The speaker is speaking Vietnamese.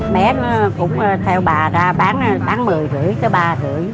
mẹ nó cũng theo bà ra bán bán mười rưỡi tới ba rưỡi